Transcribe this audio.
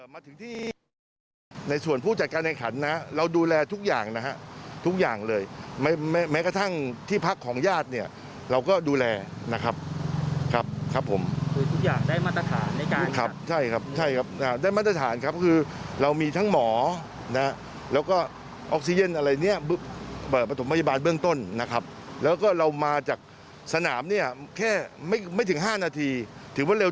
มาถึงที่ในส่วนผู้จัดการในขันนะเราดูแลทุกอย่างนะฮะทุกอย่างเลยไม่แม้กระทั่งที่พักของญาติเนี่ยเราก็ดูแลนะครับครับผมคือทุกอย่างได้มาตรฐานในการขับใช่ครับใช่ครับได้มาตรฐานครับคือเรามีทั้งหมอนะฮะแล้วก็ออกซิเจนอะไรเนี่ยประถมพยาบาลเบื้องต้นนะครับแล้วก็เรามาจากสนามเนี่ยแค่ไม่ถึง๕นาทีถือว่าเร็ว